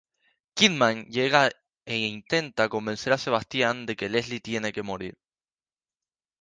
Kidman llega e intenta convencer a Sebastian de que Leslie tiene que morir.